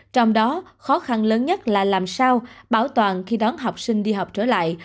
trong đó khó khăn lớn nhất là làm sao bảo toàn khi đón học sinh đi học trở lại